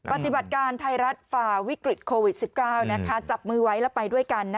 ปฏิบัติการไทยรัฐฝ่าวิกฤตโควิด๑๙จับมือไว้แล้วไปด้วยกัน